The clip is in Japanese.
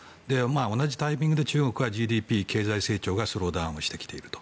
同じタイミングで中国はＧＤＰ経済成長がスローダウンしてきていると。